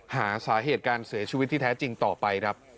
หาสาเหตุการเสียชีวิตที่แท้จริงต่อไปครับ